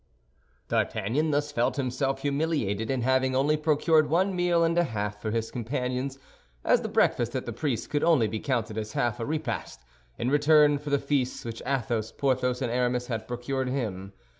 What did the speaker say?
D'Artagnan thus felt himself humiliated in having only procured one meal and a half for his companions—as the breakfast at the priest's could only be counted as half a repast—in return for the feasts which Athos, Porthos, and Aramis had procured him.